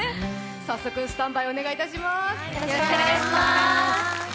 早速、スタンバイ、お願いします。